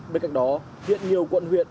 bên cạnh đó hiện nhiều quận huyện